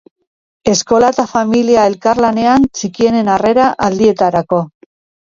Eskola eta familia elkarlanean txikienen harrera aldietarako.